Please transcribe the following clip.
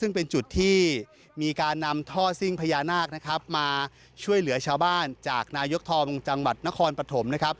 ซึ่งเป็นจุดที่มีการนำท่อซิ่งพญานาคนะครับมาช่วยเหลือชาวบ้านจากนายกทองจังหวัดนครปฐมนะครับ